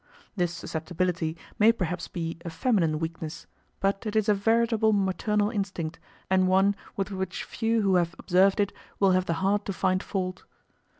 This susceptibility may perhaps be a feminine weakness, but it is a veritable maternal instinct, and one with which few who have observed it will have the heart to find fault.